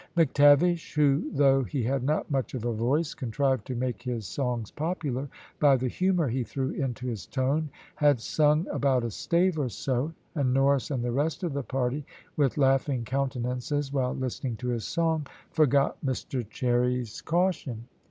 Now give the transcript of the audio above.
McTavish, who though he had not much of a voice, contrived to make his songs popular by the humour he threw into his tone, had sung about a stave or so, and Norris and the rest of the party, with laughing countenances, while listening to his song, forgot Mr Cherry's caution.